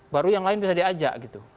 baru yang lain bisa diajak gitu